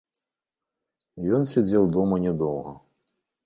Ён сядзеў дома не доўга.